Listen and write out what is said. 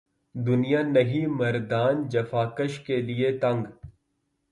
دنیا نہیں مردان جفاکش کے لیے تنگ